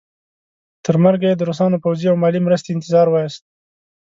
تر مرګه یې د روسانو پوځي او مالي مرستې انتظار وایست.